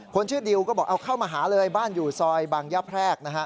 คนชื่อดิวก็บอกเอาเข้ามาหาเลยบ้านอยู่ซอยบางยะแพรกนะฮะ